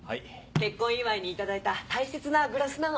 結婚祝いに頂いた大切なグラスなの。